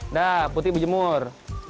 nah putih berjemur